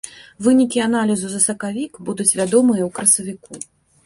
Вынікі аналізу за сакавік будуць вядомыя ў красавіку.